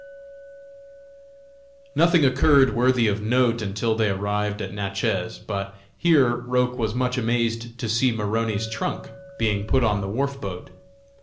_ Nothing occurred worthy of note until they arrived at Natchez, but here Roch was much amazed to see Maroney's trunk being put on the wharf boat.